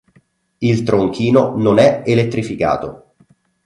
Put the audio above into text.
Il tronchino non è elettrificato.